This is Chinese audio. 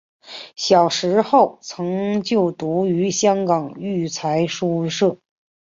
小时候曾就读于香港育才书社。